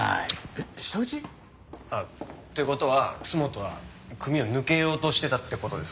えっ舌打ち？という事は楠本は組を抜けようとしてたって事ですか？